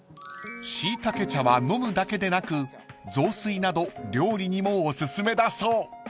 ［しいたけ茶は飲むだけでなく雑炊など料理にもおすすめだそう］